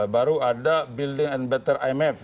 baru ada building and better imf